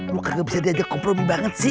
lo kagak bisa diajak kompromi banget sih